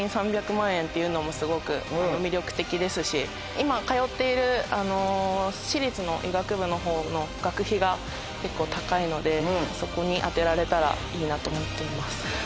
今通っている私立の医学部の方の学費が結構高いのでそこに充てられたらいいなと思っています。